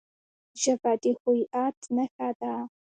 ژبه د هویت نښه ده.